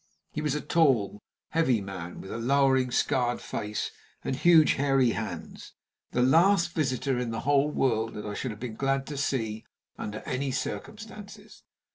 He was a tall, heavy man, with a lowering, scarred face, and huge hairy hands the last visitor in the whole world that I should have been glad to see under any circumstances.